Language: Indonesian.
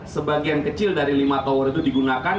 sebagian kecil dari lima tower itu digunakan